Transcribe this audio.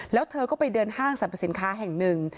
แล้วเธอก็ไปเดินห้างสรรพสินค้าแห่งหนึ่ง